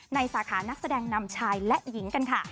สาขานักแสดงนำชายและหญิงกันค่ะ